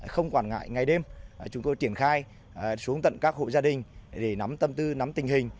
không quản ngại ngày đêm chúng tôi triển khai xuống tận các hội gia đình để nắm tâm tư nắm tình hình